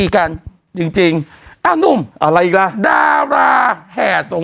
คุณต้องไปถามพ่อ